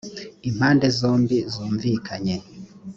impande zombi zumvikanye